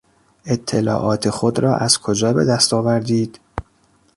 اطلاعات خود را از کجا به دست آوردید؟